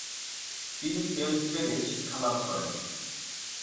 তিনি ফেলস্টেডে শিক্ষালাভ করেন।